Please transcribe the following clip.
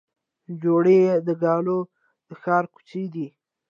جوړې د ګلو د ښار کوڅې دي